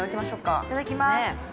◆いただきます。